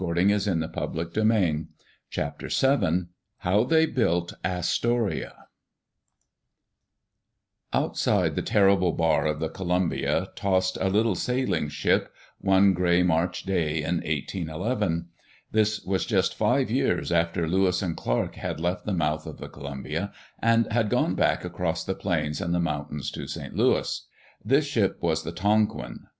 Digitized by VjOOQ IC CHAPTER VII HOW THEY BUILT ASTORIA OUTSIDE the terrible bar of the Columbia tossed a little sailing ship, one gray March day in 1811. This was just five years after Lewis and Clark had left the mouth of the Columbia and had gone back across the plains and the mountains to St. Louis. This ship was the Tonquin.